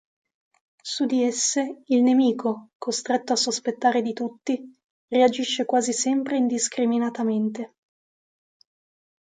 Su di esse il nemico, costretto a sospettare di tutti, reagisce quasi sempre indiscriminatamente.